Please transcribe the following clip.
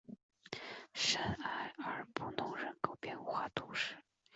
圣埃尔布隆人口变化图示